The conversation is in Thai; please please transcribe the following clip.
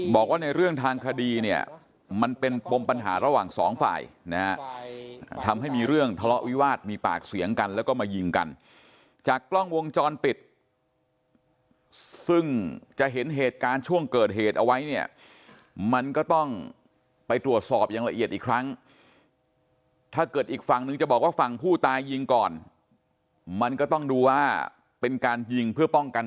บอกว่าในเรื่องทางคดีเนี่ยมันเป็นปรุงปัญหาระหว่างสองฝ่ายนะครับ